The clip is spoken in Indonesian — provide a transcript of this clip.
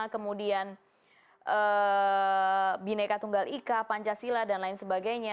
kemudian bineka tunggal ika pancasila dan lain sebagainya